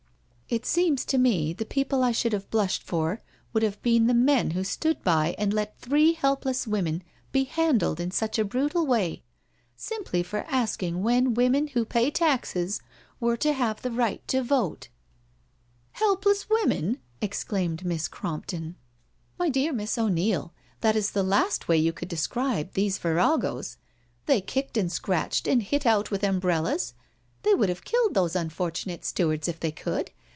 " It seems to me the people I should have blushed for would have been the men who stood by and let three helpless women be handled in such a brutal way, simply for asking when women who pay taxes were to have the right to vote." "Helpless wpipeiil'* ^claiiped Miss Crompton, 52 NO SURRENDER " My dear Miss O'Neil, that is Ae last way you could describe these viragoes. They kicked and scratched and hit out with umbrellas. They would have killed those unfortunate stewards, if they could.